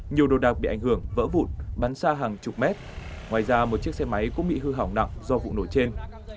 nhiều đồ đạc bị ảnh hưởng vỡ vụn bắn xa hàng chục mét ngoài ra một chiếc xe máy cũng bị hư hỏng nặng do vụ nổ trên